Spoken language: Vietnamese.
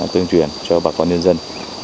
tuyên truyền cho bà con nhân dân